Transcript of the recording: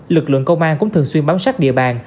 lực lượng công an cũng thường xuyên bám sát địa bàn